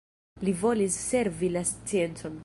Li volis servi la sciencon.